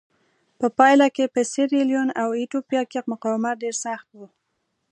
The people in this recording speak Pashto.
په پایله کې په سیریلیون او ایتوپیا کې مقاومت ډېر سخت و.